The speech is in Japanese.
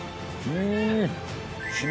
うん！